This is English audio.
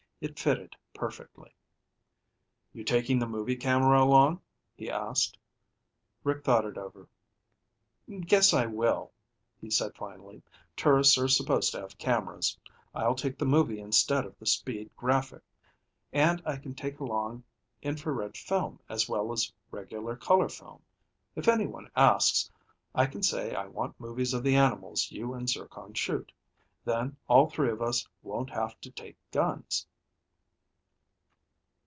It fitted perfectly. "You taking the movie camera along?" he asked. Rick thought it over. "Guess I will," he said finally. "Tourists are supposed to have cameras. I'll take the movie instead of the speed graphic. And I can take along infrared film as well as regular color film. If anyone asks, I can say I want movies of the animals you and Zircon shoot. Then all three of us won't have to take guns."